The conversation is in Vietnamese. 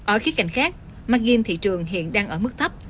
ở khía cạnh khác margin thị trường hiện đang ở mức thấp